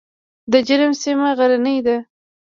د جرم سیمه غرنۍ ده